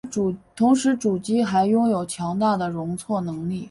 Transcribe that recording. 同时主机还拥有强大的容错能力。